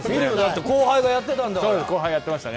後輩がやってたんだから。